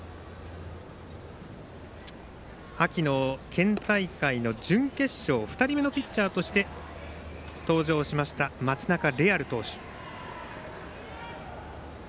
秋の県大会の準決勝２人目のピッチャーとして登場しました、松中怜或投手。